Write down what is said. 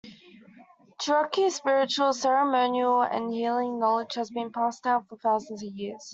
Cherokee spiritual, ceremonial and healing knowledge has been passed down for thousands of years.